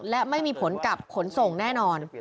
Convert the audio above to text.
และไม่มีผลกับขนส่งแน่นอน